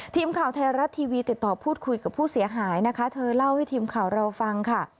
ทีมข่าวไทยรัฐทีวีติดต่อพูดคุยกับผู้เสียหายนะคะเธอเล่าให้ทีมข่าวเราฟังค่ะ